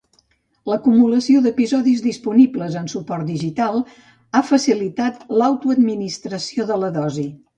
L'acumulació d'episodis disponibles en suport digital ha facilitat l'autoadministració de la dosi.